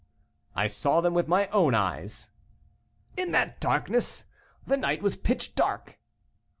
"I saw them with my own eyes." "In that darkness! The night was pitch dark."